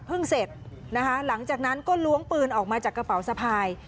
เสร็จนะคะหลังจากนั้นก็ล้วงปืนออกมาจากกระเป๋าสะพาย